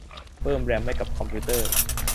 เพิ่มแรมให้กับคอมพิวเตอร์